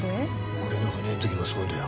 俺の船ん時もそうだよ。